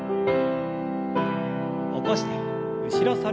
起こして後ろ反り。